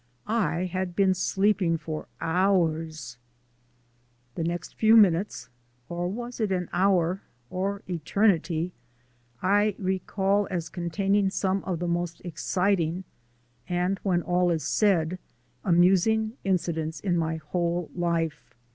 I had been sleeping for hours! The next few minutes (or was it an hour or eternity?), I recall as containing some of the most exciting and, when all is said, amusing incidents in my whole life.